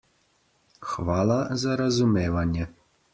Hvala za razumevanje.